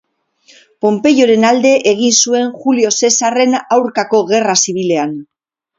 Ponpeioren alde egin zuen Julio Zesarren aurkako gerra-zibilean.